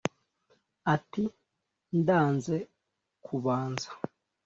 Ati: ndanze kubanza